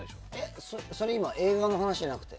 それ映画の話じゃなくて？